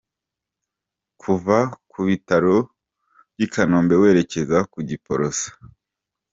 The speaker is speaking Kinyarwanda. Kuva ku bitaro by’i Kanombe werekeza ku Giporoso.